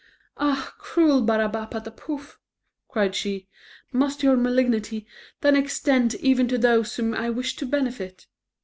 "Ah, cruel Barabapatapouf!" cried she, "must your malignity then extend even to those whom I wish to benefit?